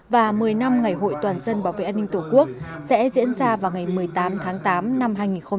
và một mươi năm ngày hội toàn dân bảo vệ an ninh tổ quốc sẽ diễn ra vào ngày một mươi tám tháng tám năm hai nghìn hai mươi bốn